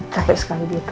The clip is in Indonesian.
sampai sekali gitu